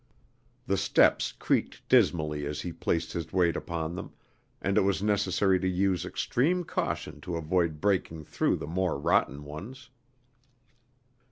The steps creaked dismally as he placed his weight upon them, and it was necessary to use extreme caution to avoid breaking through the more rotten ones.